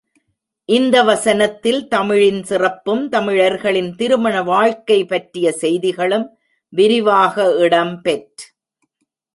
இந்த வசனத்தில் தமிழின் சிறப்பும், தமிழர்களின் திருமண வாழ்க்கை பற்றிய செய்திகளும் விரிவாக இடம் பெற்.